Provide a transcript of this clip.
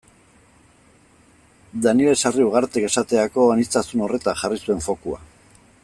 Danele Sarriugartek esaterako aniztasun horretan jarri zuen fokua.